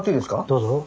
どうぞ。